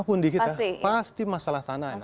apapun di kita pasti masalah tanah